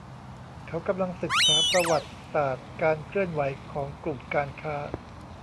เขากำลังศึกษาประวัติศาสตร์การเคลื่อนไหวของกลุ่มการค้า